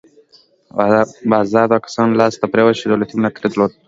بازار د هغو کسانو لاس ته پرېوت چې دولتي ملاتړ یې درلود.